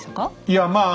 いやまあ